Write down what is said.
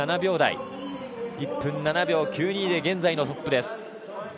１分７秒９２で現在のトップです。